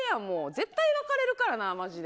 絶対、別れるからなマジで。